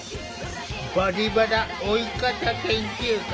「バリバラ老い方研究会」